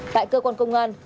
tại cơ quan công an